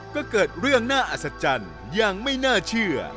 ก็เกิดเรื่องน่าอัศจรรย์ยังไม่น่าเชื่อ